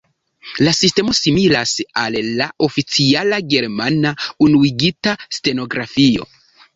La sistemo similas al la oficiala Germana Unuigita Stenografio.